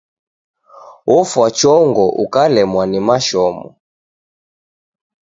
Ofwa chongo ukalemwa ni mashomo.